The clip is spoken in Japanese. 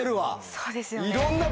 そうですよね。